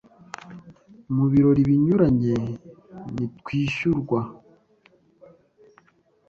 mu birori binyuranye ntitwishyurwa